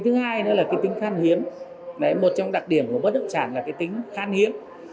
thứ hai là tính khan hiếm một trong đặc điểm của bất động sản là tính khan hiếm